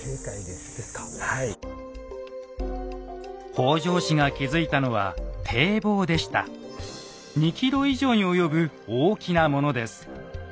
北条氏が築いたのは２ｋｍ以上に及ぶ大きなものです。